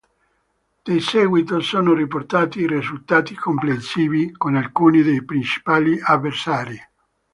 Di seguito sono riportati i risultati complessivi con alcuni dei principali avversari.